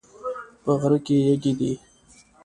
په غره کې یږي دي